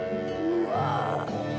「うわ」